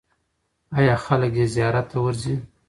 آیا خلک یې زیارت ته ورځي؟